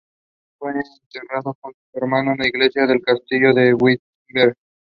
The park originally consisted of the small playground on Cropsey Avenue.